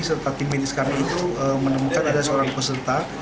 serta tim medis kami itu menemukan ada seorang peserta